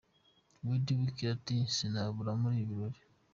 Baddie Winkle ati 'Sinabura muri ibi birori'.